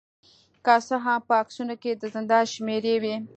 که څه هم په عکسونو کې د زندان شمیرې وې